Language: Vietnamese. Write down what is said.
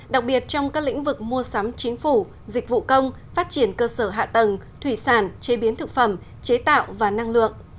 đặc biệt trong các lĩnh vực mua sắm chính phủ dịch vụ công phát triển cơ sở hạ tầng thủy sản chế biến thực phẩm chế tạo và năng lượng